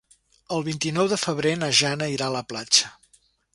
El vint-i-nou de febrer na Jana irà a la platja.